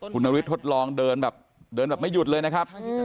คุณนวิทย์ทดลองเดินแบบไม่หยุดเลยนะครับ